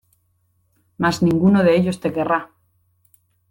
Mas ninguno de ellos te querrá